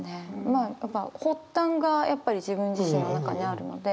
まあやっぱ発端がやっぱり自分自身の中にあるので。